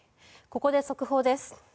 ここで速報です。